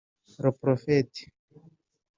leprophete